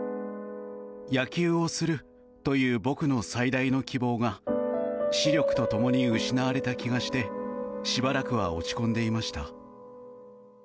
野球をするという僕の最大の希望が視力と共に失われた気がしてしばらくは落ち込んでいました。